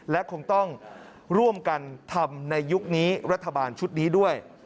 และคงต้องร่วมกันทำในยุคนี้รัฐบาลชุดนี้ด้วย